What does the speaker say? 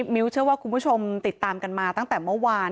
มิ้วเชื่อว่าคุณผู้ชมติดตามกันมาตั้งแต่เมื่อวาน